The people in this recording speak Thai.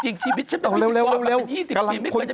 จริงชีวิตฉันเป็นพิธีกรอันเป็น๒๐ปีไม่เคยจะพิธีกรเลยครับ